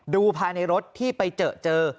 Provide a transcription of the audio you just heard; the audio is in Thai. ดูภายในรถที่ไปเจอเจอ